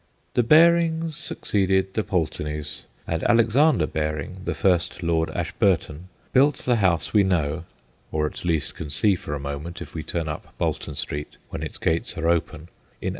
The Barings succeeded the Pulteneys, and Alexander Baring, the first Lord Ashburton, built the house we know or at least can see for a moment if we turn up Bolton Street when its gates are open in 1821.